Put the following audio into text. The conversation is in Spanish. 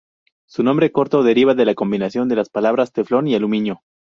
Su nombre corto deriva de la combinación de las palabras Teflón y aluminio.